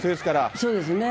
そうですね。